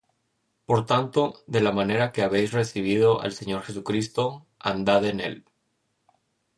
Por tanto, de la manera que habéis recibido al Señor Jesucristo, andad en él: